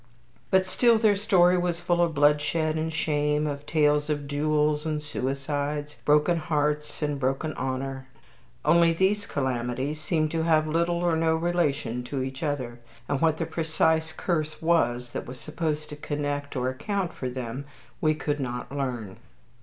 But still their story was full of bloodshed and shame, of tales of duels and suicides, broken hearts and broken honor. Only these calamities seemed to have little or no relation to each other, and what the precise curse was that was supposed to connect or account for them we could not learn.